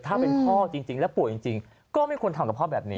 ถ้าเป็นพ่อจริงและป่วยจริงก็ไม่ควรทำกับพ่อแบบนี้